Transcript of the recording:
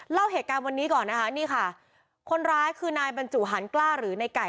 เล่าเหตุการณ์วันนี้ก่อนนะคะนี่ค่ะคนร้ายคือนายบรรจุหันกล้าหรือในไก่